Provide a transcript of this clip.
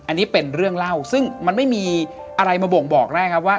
อันนี้เป็นเรื่องเล่าซึ่งมันไม่มีอะไรมาบ่งบอกได้ครับว่า